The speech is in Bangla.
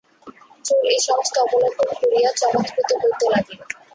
চোর এই সমস্ত অবলোকন করিয়া চমৎকৃত হইতে লাগিল।